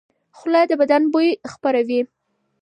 خوله د بدن بوی خپروي.